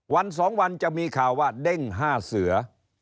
วัน๒วันจะมีข่าวว่าเด้ง๕เสือ